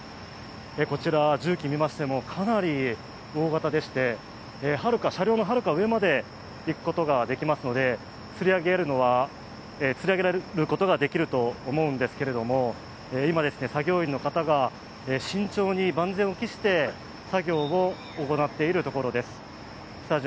こちら、重機を見ましてもかなり大型でして車両のはるか上まで行くことができますのでつり上げることができると思うんですけれども今、作業員の方が慎重に万全を期して作業を行っているところです。